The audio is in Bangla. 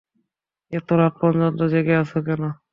এত রাত পর্যন্ত জেগে আছ কেন?